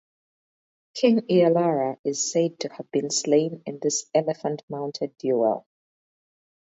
King Ealara is said to have been slain in this elephant mounted duel.